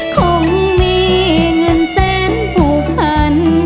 คงมีเงินแสนผูกพัน